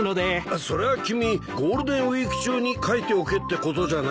それは君ゴールデンウィーク中に書いておけってことじゃないかい？